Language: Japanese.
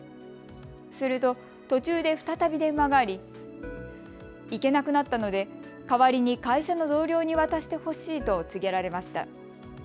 すると途中で再び電話があり、行けなくなったので代わりに会社の同僚に渡してほしいと告げられました。